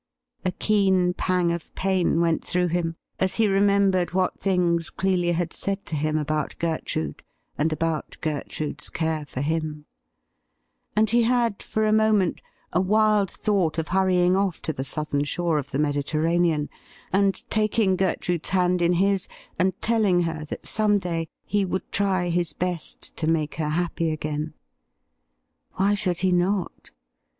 A keen pang of pain went through him as he remembered what things Clelia had said to him about Gertrude and about Gertrude's care for him, and he had for a moment a wild thought of hurrying off to the southern shore of the Mediterranean, and taking Gertrude's hand in his and telling her that some day he would try his best to make her happy again. Why should he not